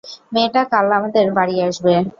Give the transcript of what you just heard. মেয়েটা কাল আমাদের বাড়ি আসবে।